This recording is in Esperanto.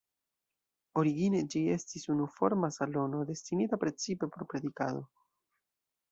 Origine ĝi estis unuforma salono, destinita precipe por predikado.